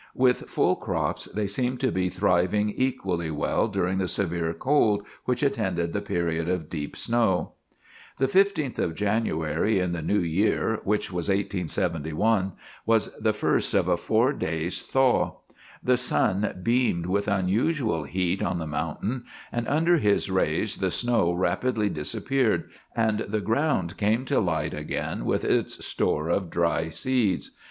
With full crops, they seemed to be thriving equally well during the severe cold which attended the period of deep snow. The 15th of January in the new year, which was 1871, was the first of a four days' thaw. The sun beamed with unusual heat on the mountain, and under his rays the snow rapidly disappeared, and the ground came to light again with its store of dry seeds.